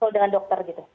dengan dokter gitu